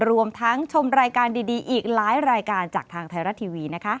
รวมทั้งชมรายการดีอีกหลายรายการจากทางไทยรัฐทีวี